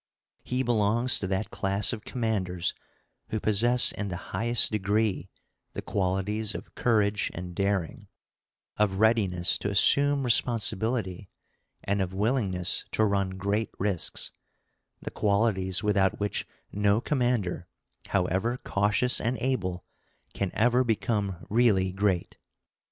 He belongs to that class of commanders who possess in the highest degree the qualities of courage and daring, of readiness to assume responsibility, and of willingness to run great risks; the qualities without which no commander, however cautious and able, can ever become really great.